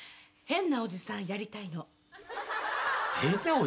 変なおじさんやりたい？